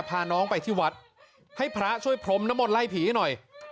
พาน้องไปที่วัดให้พระช่วยพรมนมลไล่ผีให้หน่อย